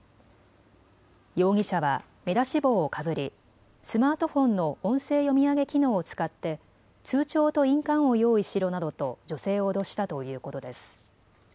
容疑者は目出し帽をかぶりスマートフォンの音声読み上げ機能を使って通帳と印鑑を用意しろなどと女性を脅したということです。